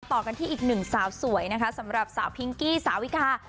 ต่อกันที่อีกหนึ่งสาวสวยนะคะสำหรับสาวพิงกี้สาวิกา